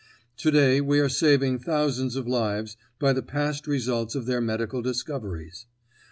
Today we are saving thousands of lives by the past results of their medical discoveries.